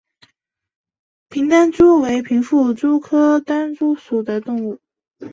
平单蛛为平腹蛛科单蛛属的动物。